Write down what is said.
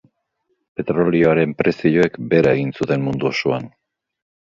Petrolioaren prezioek behera egin zuten mundu osoan.